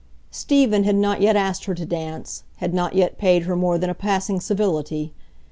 Stephen had not yet asked her to dance; had not yet paid her more than a passing civility.